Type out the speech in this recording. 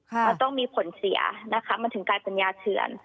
มันต้องมีผลเสียนะคะมันถึงกลายเป็นยาเถื่อน